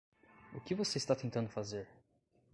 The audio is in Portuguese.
O que você está tentando fazer?